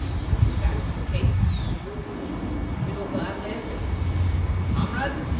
"If that is the case," said the Captain, "we will gladly assist you." "Comrades!"